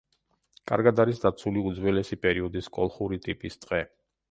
კარგად არის დაცული უძველესი პერიოდის კოლხური ტიპის ტყე.